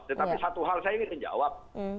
tetapi satu hal saya ingin menjawab